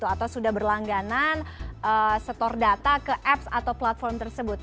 atau sudah berlangganan setor data ke apps atau platform tersebut